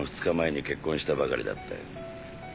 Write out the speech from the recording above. ２日前に結婚したばかりだったよ。